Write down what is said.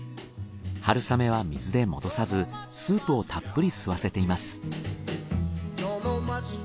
春雨は水で戻さずスープをたっぷり吸わせています。